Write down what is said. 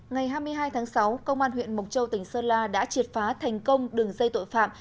ngày hai mươi hai tháng sáu công an huyện mộc châu tỉnh sơn la đã triệt phá thành công đường dây tội phạm